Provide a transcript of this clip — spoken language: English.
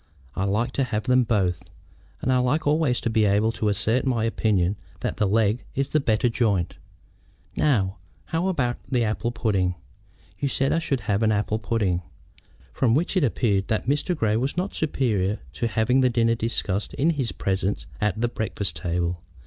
I like to have them both, and I like always to be able to assert my opinion that the leg is the better joint. Now, how about the apple pudding? You said I should have an apple pudding." From which it appeared that Mr. Grey was not superior to having the dinner discussed in his presence at the breakfast table.